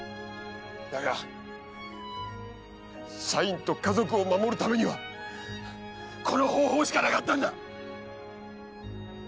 だが社員と家族を守るためにはこの方法しかなかったんだ！